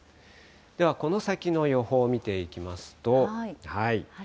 ではこの先の予報を見ていきますと。